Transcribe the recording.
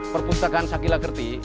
perpustakaan sakila kerti